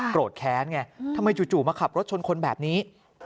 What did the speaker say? โกรธแค้นไงทำไมจู่มาขับรถชนคนแบบนี้